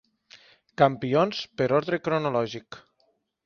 Campions per ordre cronològic.